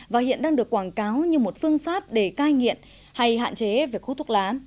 và hiện đang được quảng cáo như một phương pháp để cai nghiện hay hạn chế về khu thuốc lá